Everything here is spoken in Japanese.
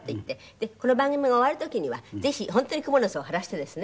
でこの番組が終わる時にはぜひ本当にクモの巣を張らせてですね